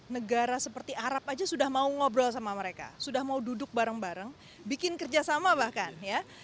negara seperti arab aja sudah mau ngobrol sama mereka sudah mau duduk bareng bareng bikin kerjasama bahkan ya